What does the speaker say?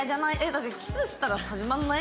だってキスしたら始まんない？